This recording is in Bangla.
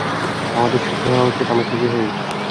আমাদের সুখী হওয়া উচিত, আমরা সুখী হই।